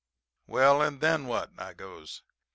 "'Well and then what?' I goes.